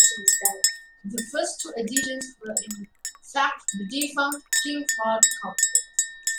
The first two editions were in fact the defunct "King Fahd Cup".